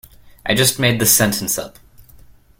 I just made this sentence up.